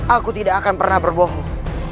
aku tidak akan pernah berbohong